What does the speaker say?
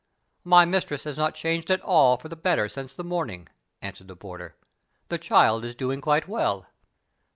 "My mistress has not changed at all for the better since the morning," answered the porter. "The child is doing quite well."